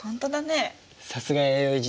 さすが弥生時代。